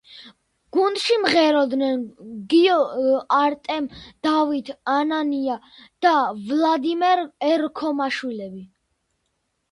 გუნდში მღეროდნენ გიგო, არტემ, დავით, ანანია და ვლადიმერ ერქომაიშვილები.